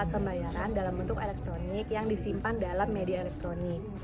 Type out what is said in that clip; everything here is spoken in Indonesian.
pengguna yang menggunakan uang elektronik harus memiliki uang elektronik yang disimpan dalam media elektronik